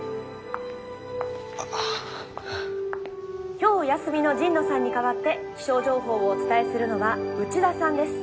「今日お休みの神野さんに代わって気象情報をお伝えするのは内田さんです」。